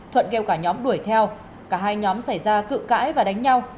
thuận kêu cả nhóm đuổi theo cả hai nhóm xảy ra cự cãi và đánh nhau